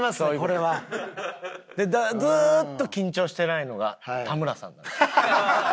これは。でずーっと緊張してないのが田村さんです。